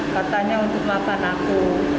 katanya untuk makan aku